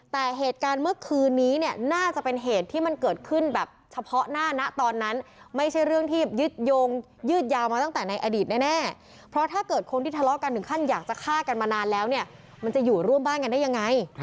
แต่เหตุการณ์เมื่อคืนนี้เนี่ยน่าจะเป็นเหตุที่มันเกิดขึ้นแบบเฉพาะหน้าณเตอร์สนั้น